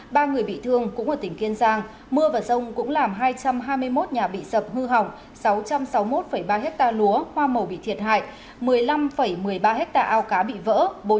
ba người bị thương cũng ở tỉnh kiên giang mưa và rông cũng làm hai trăm hai mươi một nhà bị sập hư hỏng sáu trăm sáu mươi một ba hectare lúa hoa màu bị thiệt hại một mươi năm một mươi ba ha ao cá bị vỡ